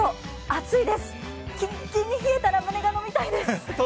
暑いです、キンキンに冷えたラムネが飲みたいです。